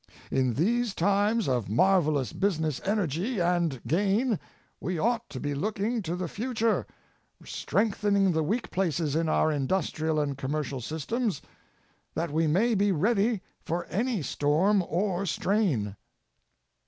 In these times of marvelous business energy and gain we ought to be looking to the future, strength ening the weak places in our indiistrial and commer cial systems, that we may be ready for any storm or strain.